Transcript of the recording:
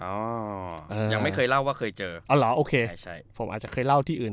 อ๋อยังไม่เคยเล่าว่าเคยเจออ๋อเหรอโอเคใช่ใช่ผมอาจจะเคยเล่าที่อื่น